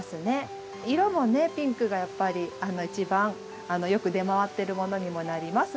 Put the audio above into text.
色もねピンクがやっぱり一番よく出回ってるものにもなります。